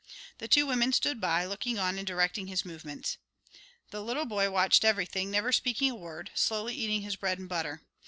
The two women stood by, looking on and directing his movements. The little boy watched everything, never speaking a word, slowly eating his bread and butter.